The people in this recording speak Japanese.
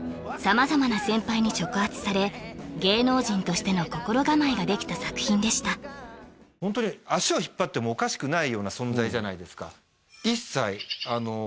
様々な先輩に触発され芸能人としての心構えができた作品でした足を引っ張ってもおかしくないような存在じゃないですか